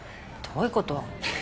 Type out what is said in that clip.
「どういうこと？」